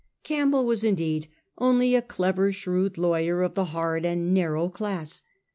Campbell was indeed only a clever shrewd lawyer of the hard and narrow class.